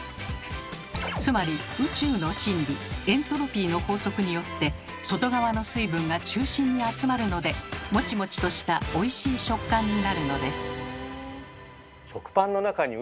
つまり宇宙の真理エントロピーの法則によって外側の水分が中心に集まるのでもちもちとしたおいしい食感になるのです。